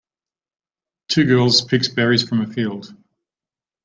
Two girls picks berries from a field.